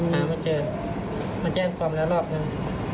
หาไม่เจอมาแจ้งความแล้วรอบเลย